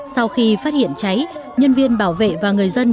sau khi phát hiện cháy nhân viên bảo vệ và người dân